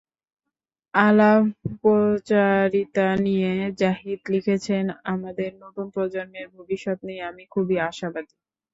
আলাপচারিতা নিয়ে জাহিদ লিখেছেন, আমাদের নতুন প্রজন্মের ভবিষ্যৎ নিয়ে আমি খুবই আশাবাদী।